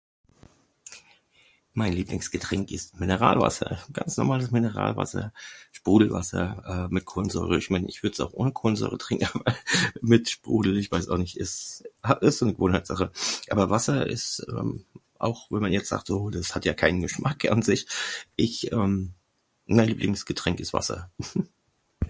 Mein Lieblingsgetränk ist Mineralwasser. Ganz normales Mineralwasser. Sprudelwasser mit Kohlensäure. Ich würde es auch ohne Kohlensäure trinken. Aber mit Sprudel, ich weiß auch nicht, ist so eine Gewohnheitssache.ein Lieblingsgetränk ist Mineralwasser